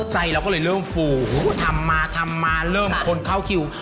ใจเราก็เลยเริ่มฟูทำมาทำมาเริ่มคนเข้าคิว